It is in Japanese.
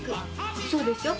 そうでしょう。